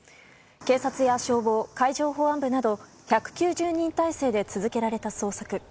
警察や消防、海上保安部など１９０人態勢で続けられた捜索。